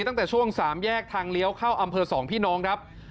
ตั้งแต่ช่วง๓แยกทางเลี้ยวเข้าอำเภอสองพี่น้องครับ